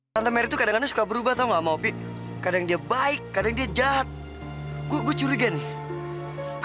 sampai jumpa di video selanjutnya